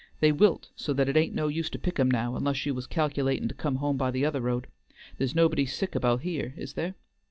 They wilt so that it ain't no use to pick 'em now, unless you was calc'latin' to come home by the other road. There's nobody sick about here, is there?"